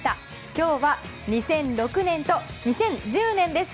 今日は２００６年と２０１０年です。